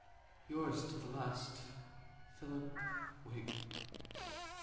"Yours to the last, "Philip Wakem."